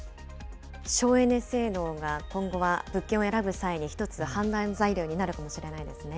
省エネ性能が、今後は物件を選ぶ際に、一つ判断材料になるかもしれないですね。